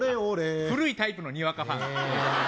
古いタイプのにわかファン。